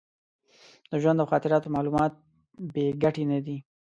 د ژوند او خاطراتو معلومات بې ګټې نه دي.